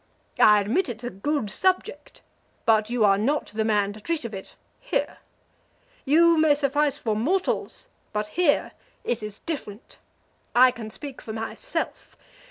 I admit it's a good subject, but you are not the man to treat of it here. You may suffice for mortals, but here it is different. I can speak for myself.